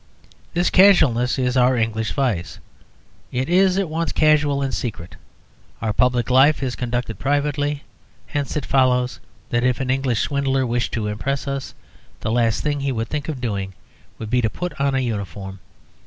This casualness is our English vice. It is at once casual and secret. Our public life is conducted privately. Hence it follows that if an English swindler wished to impress us, the last thing he would think of doing would be to put on a uniform.